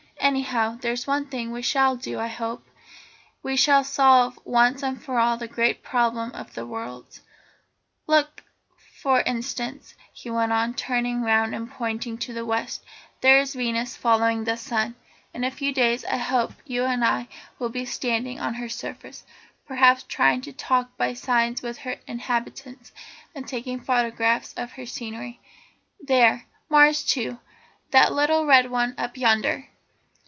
Anyhow, there's one thing we shall do I hope, we shall solve once and for all the great problem of the worlds. "Look, for instance," he went on, turning round and pointing to the west, "there is Venus following the sun. In a few days I hope you and I will be standing on her surface, perhaps trying to talk by signs with her inhabitants, and taking photographs of her scenery. There's Mars too, that little red one up yonder.